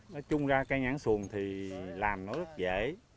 nói chung ra cây nhãn xuồng thì làm nó rất dễ